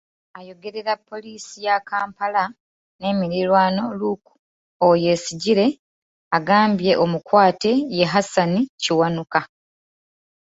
Ayogerera Poliisi ya Kampala n'emirirwano Luke Owoyesigyire agambye omukwate ye Hassan Kiwanuka.